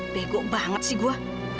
bego banget sih gue